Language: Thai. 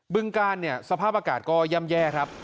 บึงกาลสภาพอากาศก็ย่ำแย่ครับ